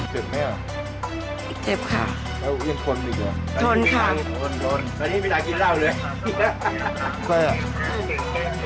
เจ็บไหมอ่ะเจ็บค่ะแล้วยังทนอีกเหรอทนค่ะตอนนี้มีแต่กินราวด้วย